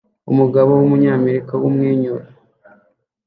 Umugabo wumunyamerika wumwenyura